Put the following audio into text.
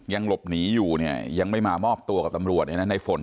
ยังหลบหนีอยู่เนี่ยยังไม่มามอบตัวกับตำรวจเนี่ยนะในฝน